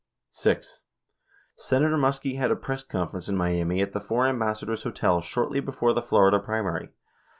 6. Senator Muskie had a press conference in Miami at the Four Ambassadors Hotel shortly before the Florida primary.